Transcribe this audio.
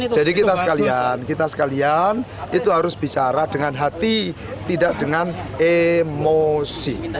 jadi kita sekalian harus bicara dengan hati tidak dengan emosi